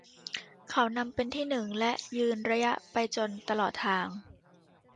เขานำเป็นที่หนึ่งและยืนระยะไปจนตลอดทาง